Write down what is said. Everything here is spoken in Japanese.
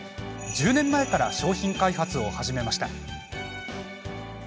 １０年前から商品開発を始めました。